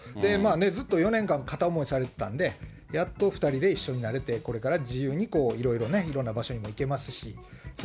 ずっと４年間、片思いされてたんで、やっと２人で一緒になれて、これから自由にいろいろね、いろんな場所にも行けますし。